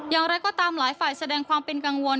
อย่างไรก็ตามหลายฝ่ายแสดงความเป็นกังวล